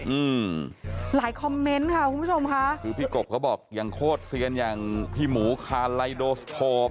อืมหลายคอมเมนต์ค่ะคุณผู้ชมค่ะคือพี่กบเขาบอกอย่างโคตรเซียนอย่างพี่หมูคาไลโดสโทป